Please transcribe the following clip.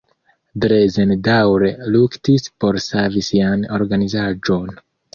Drezen daŭre luktis por savi sian organizaĵon.